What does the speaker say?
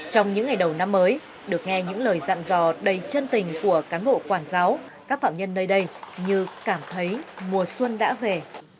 trong những ngày đầu năm mới được nghe những lời dặn dò đầy chân tình của cán bộ quản giáo các phạm nhân nơi đây như cảm thấy mùa xuân đã về